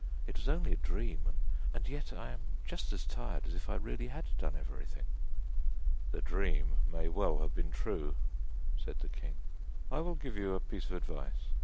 It was only a dream, and yet I am just as tired as if I really had done everything.' 'The dream may have been true,' said the king. 'I will give you a piece of advice.